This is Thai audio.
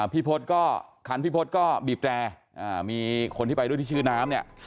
พี่พศก็คันพี่พศก็บีบแตรมีคนที่ไปด้วยที่ชื่อน้ำเนี่ย